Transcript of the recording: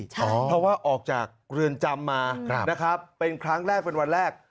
เพราะว่าออกจากเรือนจำมานะครับเป็นครั้งแรกเป็นวันแรก